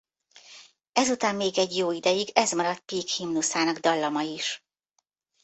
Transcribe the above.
Ezután még egy jó ideig ez maradt Peak himnuszának dallama is.